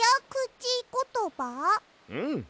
うん。